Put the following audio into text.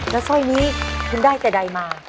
แล้วซ่อยนี้คุณได้จากไหนมา